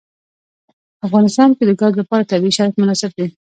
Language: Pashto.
په افغانستان کې د ګاز لپاره طبیعي شرایط مناسب دي.